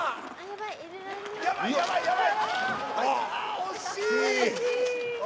惜しい。